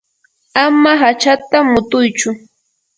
ama hachata mutuychu.